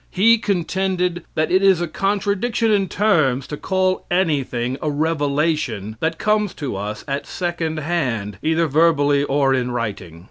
He contended that it is a contradiction in terms to call anything a revelation that comes to us at secondhand, either verbally or in writing.